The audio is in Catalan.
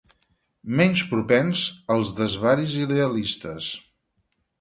...menys propens als desvaris idealistes.